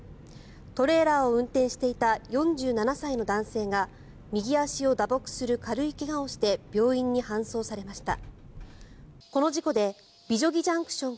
トレーラーを運転していた４７歳の男性が右足を打撲する軽い怪我をして病院に搬送されました。